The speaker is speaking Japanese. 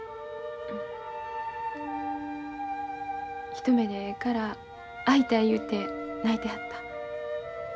一目でええから会いたい言うて泣いてはった。